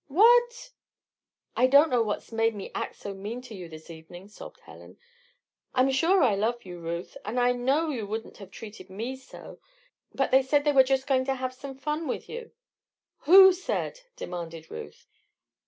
"WHAT?" "I don't know what's made me act so mean to you this evening," sobbed Helen. "I'm sure I love you, Ruth. And I know you wouldn't have treated me so. But they said they were just going to have some fun with you " "Who said?" demanded Ruth.